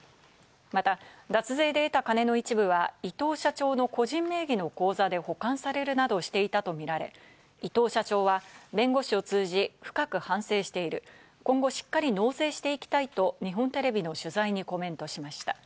また脱税で得たカネの一部は伊藤社長の個人名義の口座で保管されるなどしていたとみられ、伊藤社長は弁護士を通じ、深く反省している、今後、しっかり納税していきたいと日本テレビの取材にコメントしました。